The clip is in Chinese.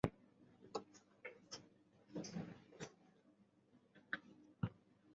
星际边界探险号任务将企图收集更多太阳系的终端震波资料。